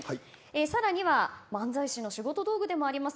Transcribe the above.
さらには漫才師の仕事道具でもあります